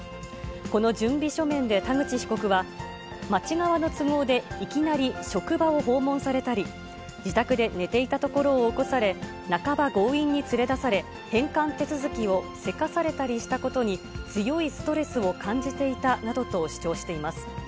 この準備書面で田口被告は、町側の都合で、いきなり職場を訪問されたり、自宅で寝ていたところを起こされ、半ば強引に連れ出され、返還手続きをせかされたりしたことに、強いストレスを感じていたなどと主張しています。